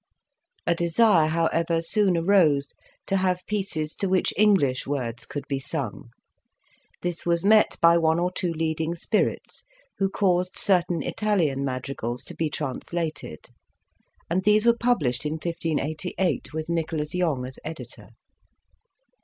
A desire, however, soon arose to have pieces to which English words could be sung, this was met by one or two leading spirits who caused certain Italian madrigals to be trans lated, and these were published in 1588, with Nicholas Yonge as Editor.